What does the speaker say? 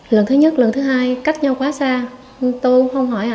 lần thứ nhất lần thứ hai cách nhau quá xa